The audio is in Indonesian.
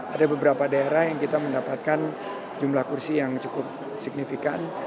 ada beberapa daerah yang kita mendapatkan jumlah kursi yang cukup signifikan